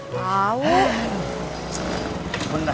pak cesar tadi telfon gak diangkat